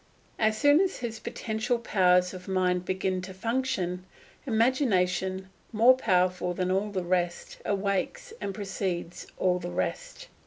As soon as his potential powers of mind begin to function, imagination, more powerful than all the rest, awakes, and precedes all the rest.